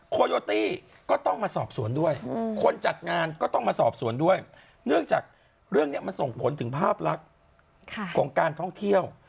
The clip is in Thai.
โคโยตี้ก็ต้องมาสอบสวนด้วยคนจัดงานก็ต้องมาสอบสวนด้วย